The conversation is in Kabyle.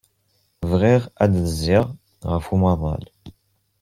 Bɣiɣ ad d-zziɣ ɣef umaḍal.